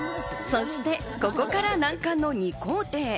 そしてここからが難関の２工程。